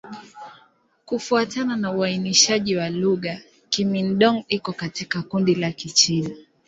Kufuatana na uainishaji wa lugha, Kimin-Dong iko katika kundi la Kichina.